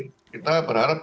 jadi kita berharap